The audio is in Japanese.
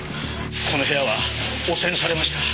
この部屋は汚染されました。